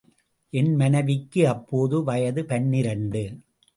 என் மனைவிக்கு அப்போது வயது பனிரண்டு .